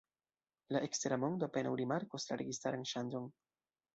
La ekstera mondo apenaŭ rimarkos la registaran ŝanĝon.